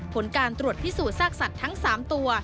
ผลการตรวจพิสูจนซากสัตว์ทั้ง๓ตัว